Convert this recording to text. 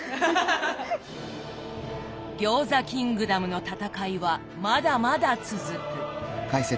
餃子キングダムの戦いはまだまだ続く。